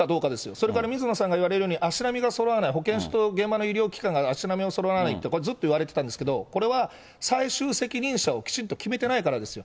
それから水野さんが言われるように、足並みがそろわない、保健所と現場の医療機関が足並みそろわないって、これずっといわれてたんですけれども、これは、最終責任者をきちっと決めてないからですよ。